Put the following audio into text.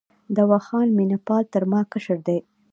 دوا خان مینه پال تر ما کشر دی.